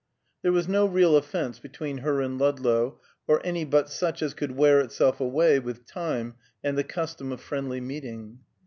There was no real offence between her and Ludlow, or any but such as could wear itself away with time and the custom of friendly meeting.